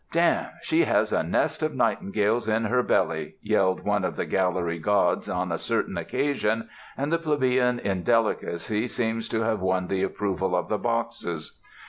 "Damme, she has a nest of nightingales in her belly!", yelled one of the gallery gods on a certain occasion and the plebeian indelicacy seems to have won the approval of the boxes.